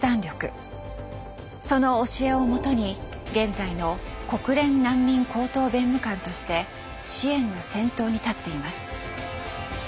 その教えをもとに現在の国連難民高等弁務官として支援の先頭に立っています。